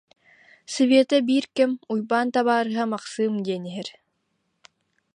Света биир кэм Уйбаан табаарыһа Махсыым диэн иһэр